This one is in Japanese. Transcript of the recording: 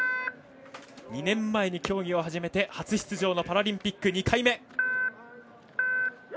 ２年前に競技を始めて初出場のパラリンピック２回目。